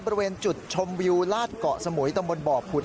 บริเวณจุดชมวิวลาดเกาะสมุยตำบลบ่อผุด